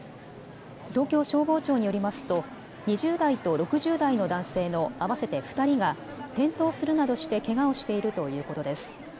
東京消防庁によりますと２０代と６０代の男性の合わせて２人が転倒するなどしてけがをしているということです。